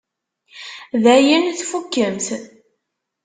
Dayen tfukkemt?